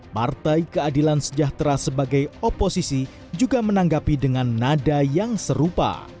partai keadilan sejahtera sebagai oposisi juga menanggapi dengan nada yang serupa